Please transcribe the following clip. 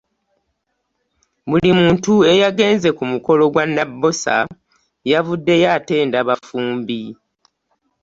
Buli muntu eyagenze ku mukolo gwa Nabbosa ,yavudeyo atenda bafumbi.